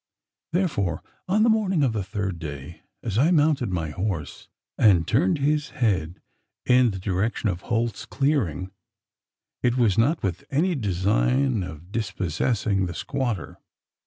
Therefore, on the morning of the third day, as I mounted my horse, and turned his head in the direction of Holt's clearing, it was not with any design of dispossessing the squatter.